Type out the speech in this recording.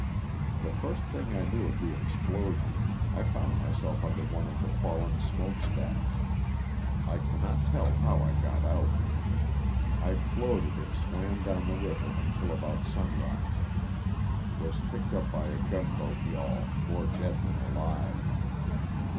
The first thing I knew of the explosion I found my self under one of the fallen smoke stacks. I cannot tell how I got out. I floated and swam down the river LOSS OF THE SULTANA. 185 until about sunrise. Was picked up by a gunboat yawl, more dead than alive.